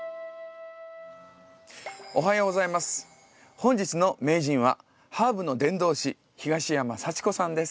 本日の名人はハーブの伝道師東山早智子さんです。